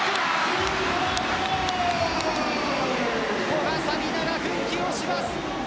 古賀紗理那が奮起をします。